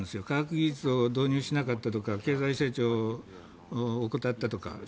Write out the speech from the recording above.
科学技術を導入しなかったとか経済成長を怠ったとか。